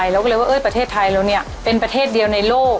เราก็เลยว่าประเทศไทยเราเป็นประเทศเดียวในโลก